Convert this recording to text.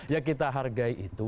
yang kita hargai itu